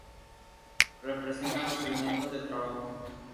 Representan los elementos de trabajo.